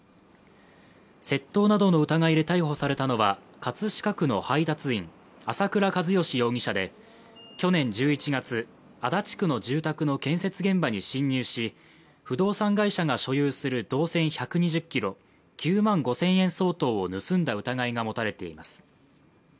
窃盗などの疑いで逮捕されたのは、葛飾区の配達員・朝倉一嘉容疑者で去年１１月、足立区の住宅の建設現場に侵入し不動産会社が所有する銅線１２０ｋｇ、９万５０００円相当を盗んだ疑いが持たれています。